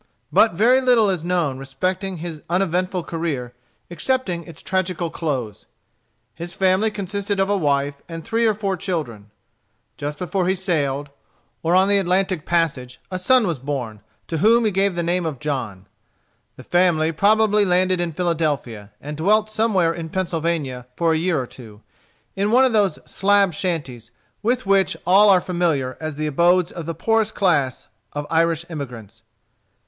But very little is known respecting his uneventful career excepting its tragical close. His family consisted of a wife and three or four children. Just before he sailed, or on the Atlantic passage, a son was born, to whom he gave the name of John. The family probably landed in Philadelphia, and dwelt somewhere in Pennsylvania, for a year or two, in one of those slab shanties, with which all are familiar as the abodes of the poorest class of Irish emigrants.